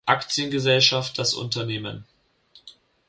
Aktiengesellschaft das Unternehmen.